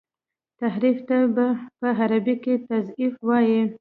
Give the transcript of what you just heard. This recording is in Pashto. تحريف ته په عربي کي تزييف وايي.